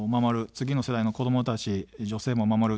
次の世代の子どもたち、女性も守る。